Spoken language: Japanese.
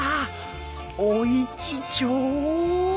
おいちちょう！